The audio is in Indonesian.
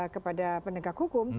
kepada pendegak hukum